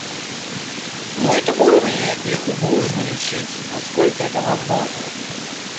На этом уровне их нужно лечить, насколько это возможно.